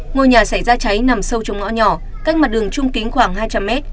ngôi nhà xảy ra cháy nằm sâu trong ngõ nhỏ cách mặt đường trung kính khoảng hai trăm linh mét